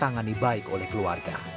tangani baik oleh keluarga